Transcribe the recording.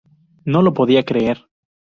No lo podía creer.